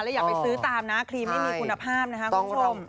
อย่าไปซื้อตามนะครีมไม่มีคุณภาพนะคะคุณผู้ชม